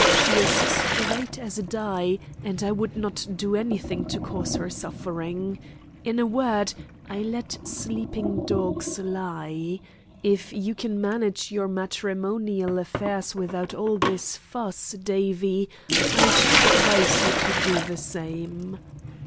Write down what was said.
She is straight as a die, and I would not do anything to cause her suffering. In a word, I let sleeping dogs lie. If you can manage your matrimonial affairs without all this fuss, Davie, I should advise you to do the same."